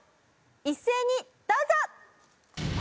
一斉にどうぞ！